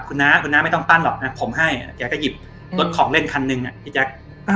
คุณน้าคุณน้าไม่ต้องปั้นหรอกนะผมให้แกก็หยิบรถของเล่นคันหนึ่งพี่แจ๊ค